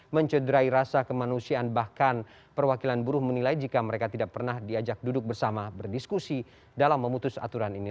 mencederai rasa kemanusiaan bahkan perwakilan buruh menilai jika mereka tidak pernah diajak duduk bersama berdiskusi dalam memutus aturan ini